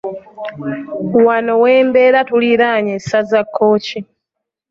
Wano we mbeera tuliraanye essaza Kkooki.